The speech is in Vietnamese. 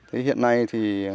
thì hiện nay thì